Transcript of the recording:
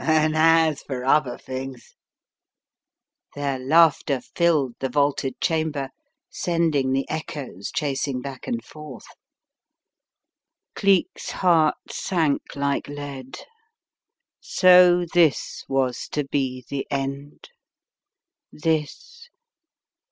And as for other things " Their laughter filled the vaulted chamber, sending the echoes chasing back and forth. Cleek's heart sank like lead. So this was to be the end. This.